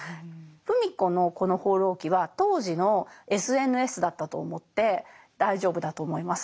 芙美子のこの「放浪記」は当時のＳＮＳだったと思って大丈夫だと思います。